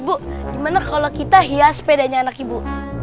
bu gimana kalau kita hias sepedanya anak ibu